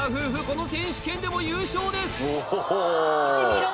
この選手権でも優勝です！